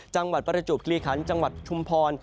จังหวัดประจูบกรีคันจังหวัดชุมพร